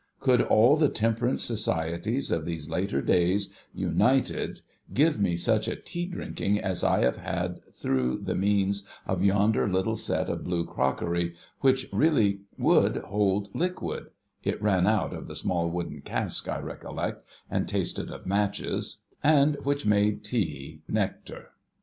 Could all the Temperance Societies of these later days, united, give me such a tea drinking as I have had through the means of yonder little set of blue crockery, which really would hold licjuid (it ran out of the small wooden cask, I recollect, and tasted of matches), and which made tea, nectar.